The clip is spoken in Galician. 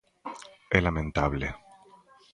É lamentable.